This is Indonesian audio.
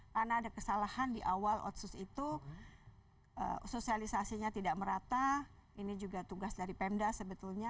karena kesalahan di awal otsus itu sosialisasinya tidak merata ini juga tugas dari pemda sebetulnya